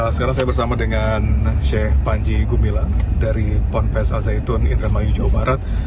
sekarang saya bersama dengan sheikh panji gumilang dari ponpes al zaitun indramayu jawa barat